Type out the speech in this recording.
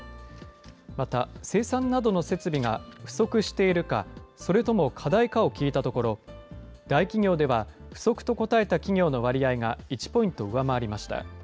また生産などの設備が不足しているか、それとも過大かを聞いたところ、大企業では、不足と答えた企業の割合が１ポイント上回りました。